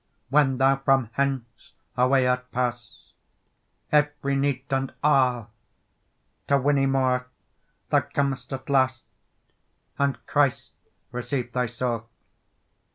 When thou from hence away art paste, Every nighte and alle, To Whinny muir thou comest at laste; And Christe receive thye saule.